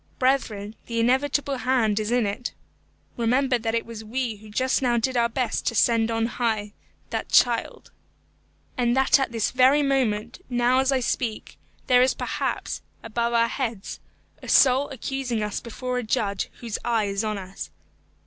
Brethren, the inevitable hand is in it. Remember that it was we who just now did our best to send on high that child, and that at this very moment, now as I speak, there is perhaps, above our heads, a soul accusing us before a Judge whose eye is on us.